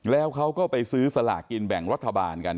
แล้วเขาก็ไปซื้อสลากกินแบ่งรัฐบาลกัน